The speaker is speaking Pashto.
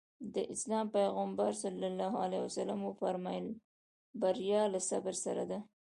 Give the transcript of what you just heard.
د اسلام پيغمبر ص وفرمايل بريا له صبر سره ده.